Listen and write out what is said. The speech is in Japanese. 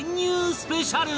スペシャル